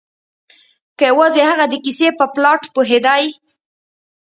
که یوازې هغه د کیسې په پلاټ پوهیدای